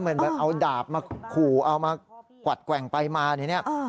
เหมือนแบบเอาดาบมาขู่เอามากวัดแกว่งไปมาอย่างนี้